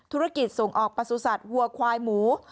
ธุรกิจส่งออกประสุทธิ์วัวควายหมู